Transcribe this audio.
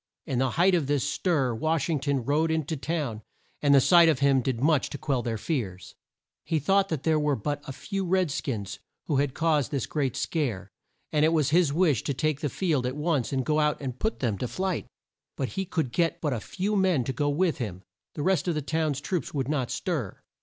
In the height of this stir Wash ing ton rode in to town, and the sight of him did much to quell their fears. He thought that there were but a few red skins who had caused this great scare, and it was his wish to take the field at once and go out and put them to flight. But he could get but a few men to go with him. The rest of the town troops would not stir.